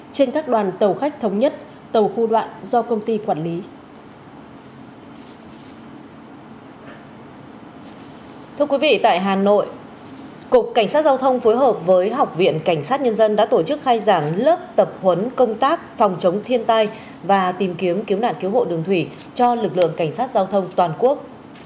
cảnh sát nhân dân đã tổ chức khai giảng lớp tập huấn công tác phòng chống thiên tai và tìm kiếm cứu nạn cứu hộ đường thủy cho lực lượng cảnh sát giao thông toàn quốc